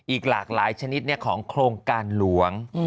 อีกหลากหลายชนิดของโครงการหลวง